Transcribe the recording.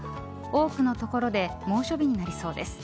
多くの所で猛暑日になりそうです。